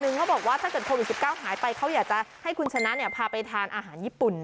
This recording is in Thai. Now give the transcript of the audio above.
เขาบอกว่าถ้าเกิดโควิด๑๙หายไปเขาอยากจะให้คุณชนะพาไปทานอาหารญี่ปุ่น